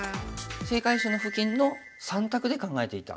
正解手の付近の３択で考えていた。